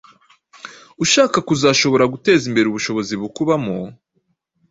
ushaka kuzashobora guteza imbere ubushobozi bukubamo